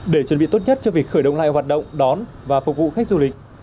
để chuẩn bị tốt nhất cho việc khởi động lại hoạt động đón và phục vụ khách du lịch